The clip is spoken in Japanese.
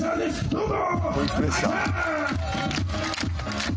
どうぞ。